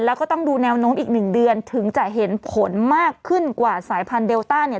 แล้วก็ต้องดูแนวโน้มอีกหนึ่งเดือนถึงจะเห็นผลมากขึ้นกว่าสายพันธุเดลต้าเนี่ย